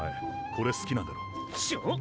これ好きなんだろう？ショ！？